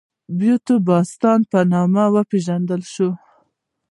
د بانټوستان په نامه وپېژندل شوې.